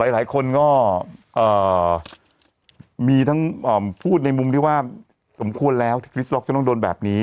หลายคนก็มีทั้งพูดในมุมที่ว่าสมควรแล้วที่คริสตล็อกจะต้องโดนแบบนี้